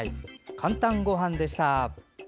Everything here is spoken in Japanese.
「かんたんごはん」でした。